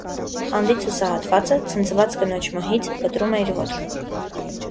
Խանդից հուսահատվածը՝ ցնցված կնոջ մահից, կտրում է իր ոտքը։